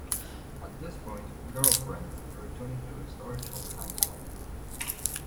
At this point, "Girlfriends" returned to its original time slot.